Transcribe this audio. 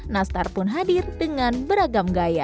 nastar pun hadir dengan beragam gaya